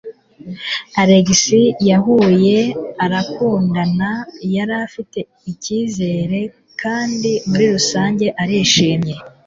Alex yahuye arakundana yari afite ikizere kandi muri rusange arishimye.